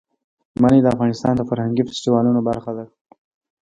منی د افغانستان د فرهنګي فستیوالونو برخه ده.